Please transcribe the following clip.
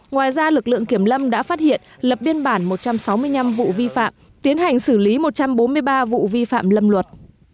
ngoài ra lực lượng kiểm lâm đã phát hiện lập biên bản một trăm sáu mươi năm vụ vi phạm tiến hành xử lý một trăm bốn mươi ba vụ vi phạm lâm luật